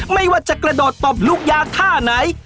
ไม่ว่าจะกระโดดตบลูกยาท่าไหน